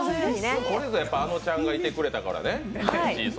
これぞ、あのちゃんがいてくれたからね。